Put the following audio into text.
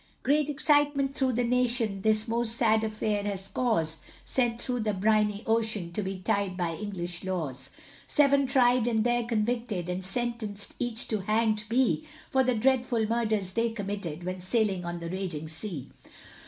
Great excitement through the nation, This most sad affair has caused, Sent across the briny ocean, To be tried by English laws; Seven tried and there convicted, And sentenced each to hanged be, For the dreadful murders they committed, When sailing on the raging sea.